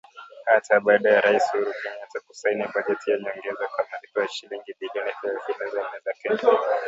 Hata baada ya Rais Uhuru Kenyatta kusaini bajeti ya nyongeza kwa malipo ya shilingi bilioni thelathini na nne za Kenya